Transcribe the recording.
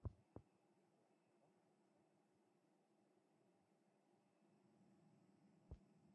Turklāt pašlaik Satversmes tiesā ir ierosināta trešā lieta.